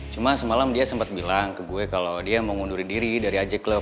cuma semalam dia sempet bilang ke gue kalo dia mau ngundurin diri dari aj club